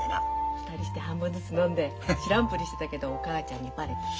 ２人して半分ずつ飲んで知らんぷりしてたけどお母ちゃんにバレた。